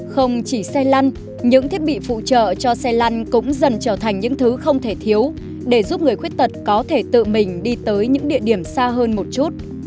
không chỉ xe lăn những thiết bị phụ trợ cho xe lăn cũng dần trở thành những thứ không thể thiếu để giúp người khuyết tật có thể tự mình đi tới những địa điểm xa hơn một chút